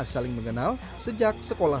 saling mengenal sejak sekolah